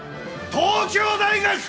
東京大学！